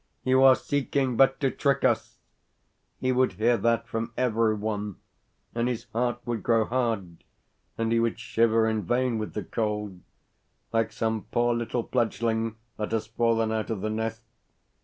"You are seeking but to trick us." He would hear that from every one, and his heart would grow hard, and he would shiver in vain with the cold, like some poor little fledgling that has fallen out of the nest.